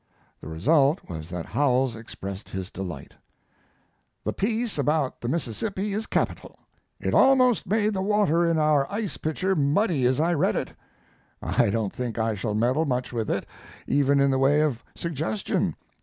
The "result" was that Howells expressed his delight: The piece about the Mississippi is capital. It almost made the water in our ice pitcher muddy as I read it. I don't think I shall meddle much with it, even in the way of suggestion.